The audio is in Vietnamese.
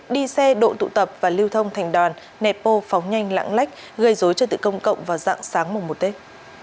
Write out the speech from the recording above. đi xe độ tụ tập và lưu thông thành đoàn nepo phóng nhanh lãng lách gây dối cho tự công cộng vào dạng sáng mùa một tết